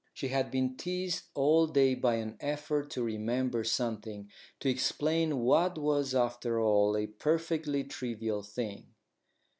She had been teased all day by an effort to remember something to explain what was after all a perfectly trivial thing.